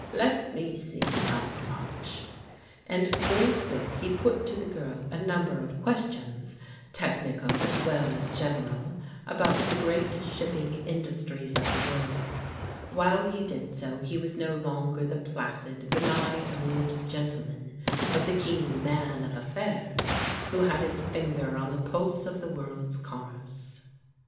Let me see how much," and forthwith he put to the girl a number of questions, technical as well as general, about the great shipping industries of the world. While he did so he was no longer the placid, benign old gentle man, but the keen man of affairs, who had his finger on the pulse of the wotVd's commRxcfc.